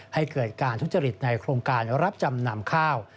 ให้เกิดการทุจริตในโครงการรับจำนำข้าว